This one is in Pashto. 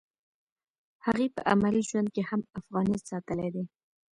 هغې په عملي ژوند کې هم افغانیت ساتلی دی